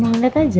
mau liat aja